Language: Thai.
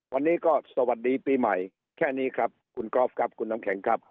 วันนี้ก็สวัสดีปีใหม่แค่นี้ครับคุณกอล์ฟครับคุณน้ำแข็งครับ